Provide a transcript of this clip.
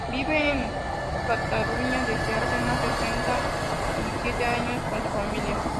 Vive en Cataluña desde hace más de treinta y siete años con su familia.